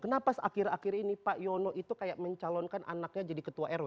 kenapa pas akhir akhir ini pak yono itu kayak mencalonkan anaknya jadi ketua rw